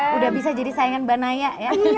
sudah bisa jadi saingan mbak naya ya